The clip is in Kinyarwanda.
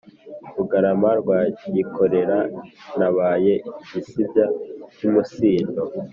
rugarama rwa gikore nabaye igisibya cy'umutsindo,